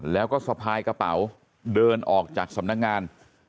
แล้วก็สะพายกระเป๋าเดินออกจากสำนักงาน